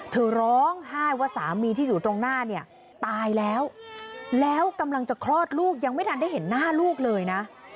เธอร้องไห้ว่าสามีที่อยู่ตรงหน้าเนี่ยตายแล้วแล้วกำลังจะคลอดลูกยังไม่ทันได้เห็นหน้าลูกเลยนะ